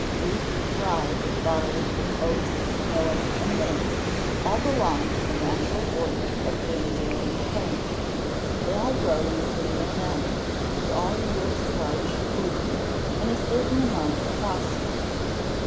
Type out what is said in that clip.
_ Wheat, rye, barley, oats, millet, and maize, all belong to the natural order of grain bearing plants. They all grow in a similar manner, and all yield starch, gluten, and a certain amount of phosphates.